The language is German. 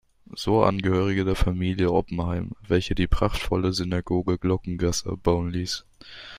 So Angehörige der Familie Oppenheim, welche die prachtvolle Synagoge Glockengasse erbauen ließ.